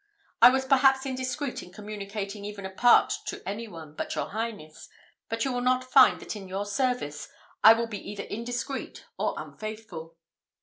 I was perhaps indiscreet in communicating even a part to any one but your Highness; but you will not find that in your service, I will be either indiscreet or unfaithful."